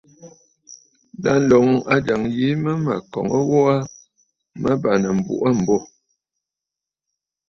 Lâ, ǹloŋ ajàŋ yìi mə mə̀ kɔ̀ŋə gho aa, mə bàŋnə̀ m̀buꞌu aa m̀bô.